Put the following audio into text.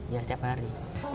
ya setiap hari